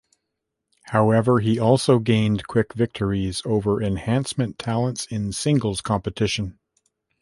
However, he also gained quick victories over enhancement talents in singles competition.